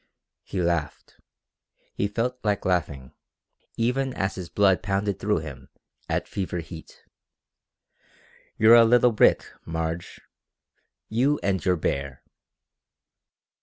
He laughed. He felt like laughing, even as his blood pounded through him at fever heat. "You're a little brick, Marge you and your bear!"